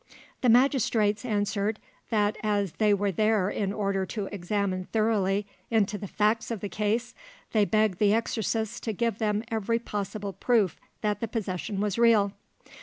The magistrates answered that as they were there in order to examine thoroughly into the facts of the case, they begged the exorcists to give them every possible proof that the possession was real.